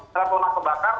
dalam lemak pembakar